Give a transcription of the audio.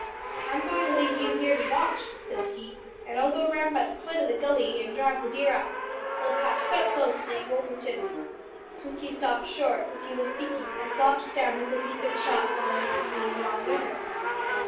"`I'm goin' to leave you here to watch,' says he, `an' I'll go round by the futt o' the gully an' drive the deer up. They'll pass quite close, so you've only to ' "Hunky stopped short as he was speakin' and flopped down as if he'd bin shot haulin' me along wi' him.